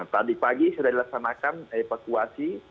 tadi pagi sudah dilaksanakan evakuasi